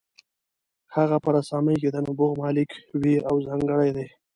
هغه په رسامۍ کې د نبوغ مالک وي او ځانګړی دی.